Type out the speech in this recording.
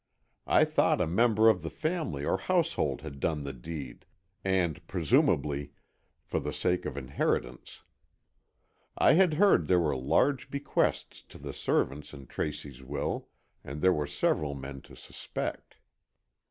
I thought a member of the family or household had done the deed, and, presumably, for the sake of inheritance. I had heard there were large bequests to the servants in Tracy's will, and there were several men to suspect.